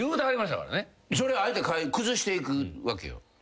それをあえて崩していくわけよ。